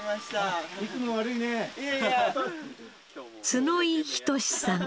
角井仁さん